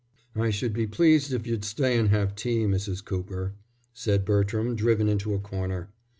"I should be pleased if you'd stay and have tea, Mrs. Cooper," said Bertram, driven into a corner.